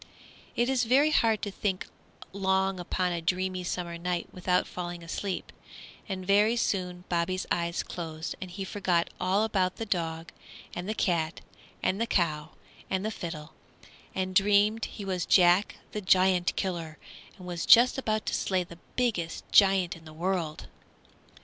It is very hard to think long upon a dreamy summer night without falling asleep, and very soon Bobby's eyes closed and he forgot all about the dog and the cat and the cow and the fiddle, and dreamed he was Jack the Giant Killer and was just about to slay the biggest giant in the world.